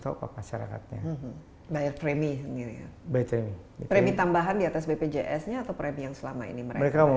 top up masyarakatnya banyak premi ini premi tambahan di atas bpjs nya atau premi yang selama ini mereka